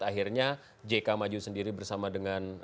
akhirnya jk maju sendiri bersama dengan